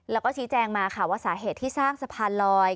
แล้วก็ชี้แจงมาค่ะว่าสาเหตุที่สร้างสะพานลอย